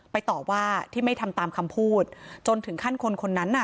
ตอบว่าที่ไม่ทำตามคำพูดจนถึงขั้นคนคนนั้นน่ะ